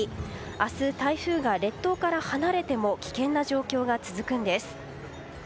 明日、台風が列島から離れても危険な状況が続くんです。